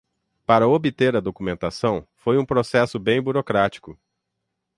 Para obter a documentação, foi um processo bem burocrático